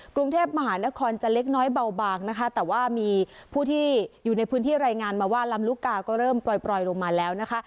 กรุงเทพมหานครจะเล็กน้อยเบาบางนะคะแต่ว่ามีผู้ที่อยู่ในพื้นที่รายงานมาว่าลำลูกกาก็เริ่มปล่อยลงมาแล้วนะคะ